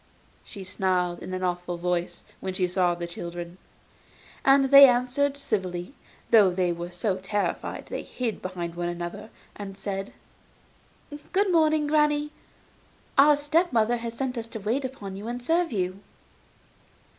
she snarled, in an awful voice, when she saw the children. And they answered civilly, though they were so terrified that they hid behind one another, and said: 'Good morning, granny; our step mother has sent us to wait upon you, and serve you.